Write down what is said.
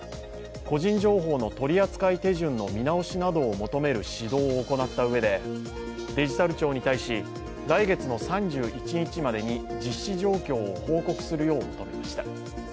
個人情報の取り扱い手順の見直しなどを求める指導を行ったうえでデジタル庁に対し来月の３１日までに実施状況を報告するよう求めました。